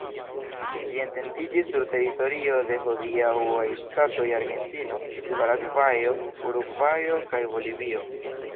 Ĝi etendiĝis sur teritorio de hodiaŭaj ŝtatoj Argentino, Paragvajo, Urugvajo kaj Bolivio.